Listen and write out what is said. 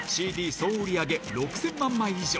総売り上げ６０００万枚以上。